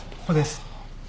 ここです。